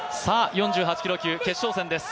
４８キロ級決勝戦です。